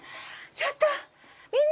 ちょっとみんな！